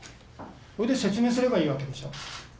それで説明すればいいわけでしょ。